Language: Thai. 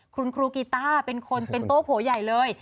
คุณครูกีต้าเป็นคนเป็นโต๊โผใหญ่เลย